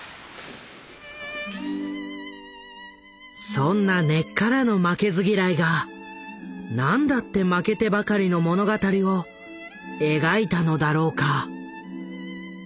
そんな根っからの負けず嫌いがなんだって負けてばかりの物語を描いたのだろうか？